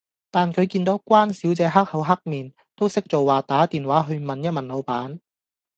但佢見到關小姐黑口黑面，都識做話打電話去問一問老闆